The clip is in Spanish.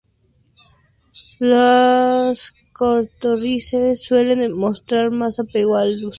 Los costarricenses suelen mostrar más apego al "usted", incluso en situaciones informales.